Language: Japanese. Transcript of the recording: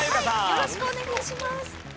よろしくお願いします。